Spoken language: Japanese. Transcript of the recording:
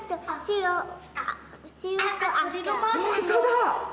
本当だ！